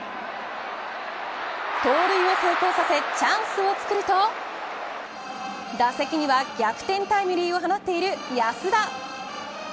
盗塁を成功させチャンスをつくると打席には、逆転タイムリーを放っている安田。